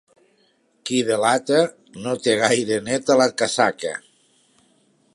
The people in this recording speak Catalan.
Qui delata no té gaire neta la casaca.